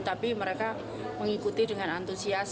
tapi mereka mengikuti dengan antusias